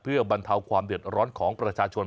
เพื่อบรรเทาความเดือดร้อนของประชาชน